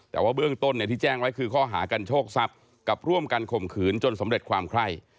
แต่ว่าเบื้องต้นที่แจ้งไว้คือข้อหากันโชคทรัพย์กับร่วมกันข่มขืนจนสำเร็จความไข้